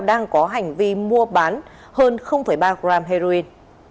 đang có hành vi mua bán hơn ba gram heroin